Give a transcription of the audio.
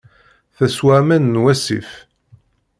Teswa aman n wasif.